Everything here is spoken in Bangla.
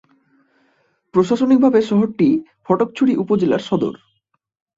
প্রশাসনিকভাবে শহরটি ফটিকছড়ি উপজেলার সদর।